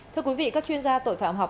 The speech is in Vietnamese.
thưa quý vị các chuyên gia tội phạm học